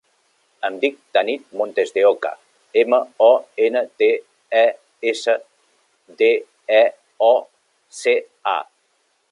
Em dic Tanit Montesdeoca: ema, o, ena, te, e, essa, de, e, o, ce, a.